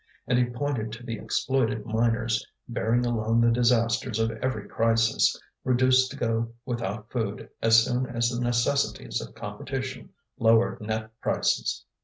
And he pointed to the exploited miners, bearing alone the disasters of every crisis, reduced to go without food as soon as the necessities of competition lowered net prices.